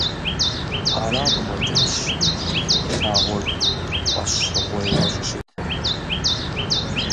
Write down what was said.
Ара къыщӀэкӀынщ нэрымылъагъур фӀэщщӀыгъуейуэ щӀыщытыр.